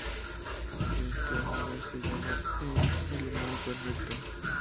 Este a su vez llama a Ein "el humano perfecto".